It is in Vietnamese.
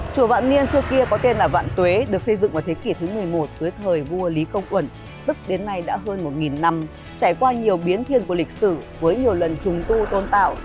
chùa vạn niên xưa kia có tên là vạn tuế được xây dựng vào thế kỷ thứ một mươi một với thời vua lý công uẩn tức đến nay đã hơn một năm trải qua nhiều biến thiên của lịch sử với nhiều lần trùng tu tôn tạo